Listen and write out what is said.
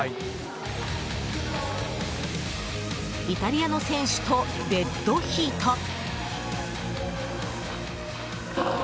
イタリアの選手とデッドヒート！